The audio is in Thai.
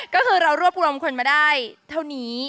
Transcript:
ก็คือเรารวบรวมคนมาได้เท่านี้